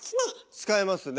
使いますね。